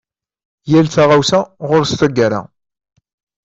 Yal taɣawsa ɣur-s taggara.